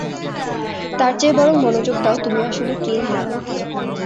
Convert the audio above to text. তার চেয়ে বরং মনোযোগ দাও তুমি আসলে কে না!